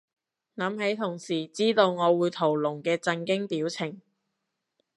諗起同事知道我會屠龍嘅震驚表情